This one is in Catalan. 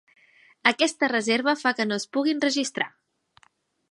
Aquesta reserva fa que no es puguin registrar.